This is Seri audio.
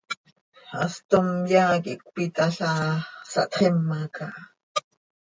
Hast tom yaa quih cöpitalhaa, sahtxima caha.